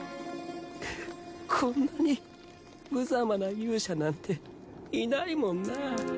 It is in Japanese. こんなに無様な勇者なんていないもんな。